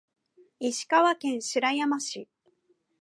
石川県白山市